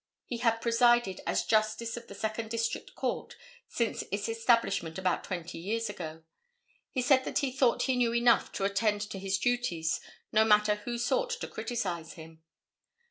He had presided as Justice of the Second District Court since its establishment about twenty years ago. He said that he thought he knew enough to attend to his duties no matter who sought to criticise him.